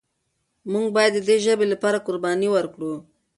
موږ باید د دې ژبې لپاره قرباني ورکړو.